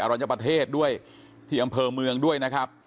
รัญญประเทศด้วยที่อำเภอเมืองด้วยนะครับ